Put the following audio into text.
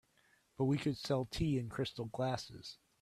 But we could sell tea in crystal glasses.